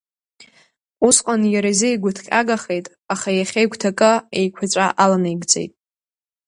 Усҟан иара изы игәыҭҟьагахеит, аха иахьа игәҭакы еиқәаҵәа аланаигӡеит.